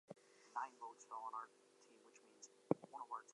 Both gyms operated under one building.